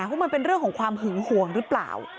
ว่ามันเป็นเรื่องของความหึงห่วงหรือเปล่า